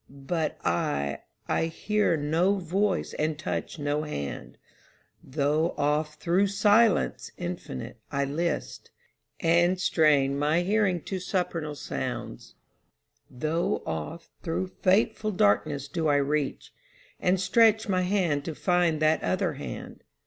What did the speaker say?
But I I hear no voice and touch no hand, Tho' oft thro' silence infinite, I list, And strain my hearing to supernal sounds; Tho' oft thro' fateful darkness do I reach, And stretch my hand to find that other hand.